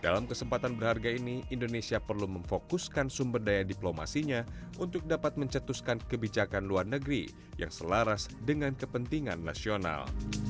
dalam kesempatan berharga ini indonesia perlu memfokuskan sumber daya diplomasinya untuk dapat mencetuskan kebijakan luar negeri yang selaras dengan kepentingan nasional